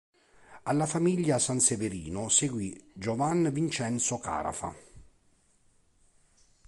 Alla famiglia Sanseverino seguì Giovan Vincenzo Carafa.